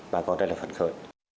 bà con rất là phấn khởi